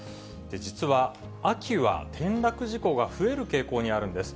実は、秋は転落事故が増える傾向にあるんです。